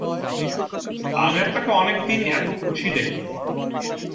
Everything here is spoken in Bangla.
আমি আপনাকে অনেক দিন এত খুশি দেখিনি।